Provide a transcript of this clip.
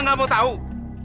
sama pak didi bang